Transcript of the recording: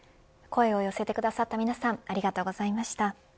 声を寄せてくださった皆さんありがとうございました。